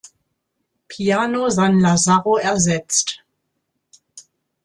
Piano San Lazzaro ersetzt.